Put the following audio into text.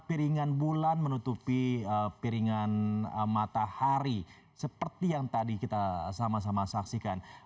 piringan bulan menutupi piringan matahari seperti yang tadi kita sama sama saksikan